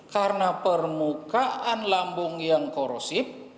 karena permukaan lambung yang korosif